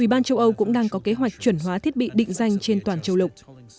ủy ban châu âu cũng đang có kế hoạch chuẩn hóa thiết bị định danh trên toàn châu lục